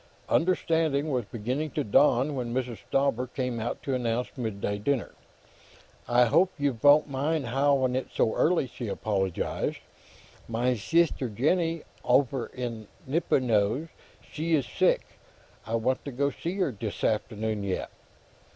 Understanding was beginning to dawn when Mrs. Stauber came out to announce midday dinner. "I hope you von't mind haffin' it so early," she apologized. "Mein sister, Jennie, offer in Nippenose, she iss sick; I vant to go see her, dis afternoon, yet.